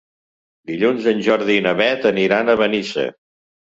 Dilluns en Jordi i na Beth aniran a Benissa.